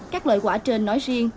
các loại quả trên nói riêng